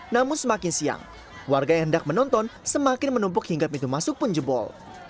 namun semakin siang warga yang hendak menonton semakin menumpuk hingga pintu masuk pun jebol